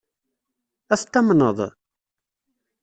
Ad t-tamneḍ?